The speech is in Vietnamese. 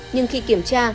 nhưng khi kiểm tra